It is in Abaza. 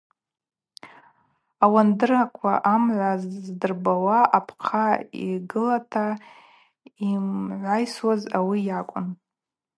Ауандырква амгӏва дзырбауа апхъа йгылата йымгӏвайсуаз ауи йакӏвын.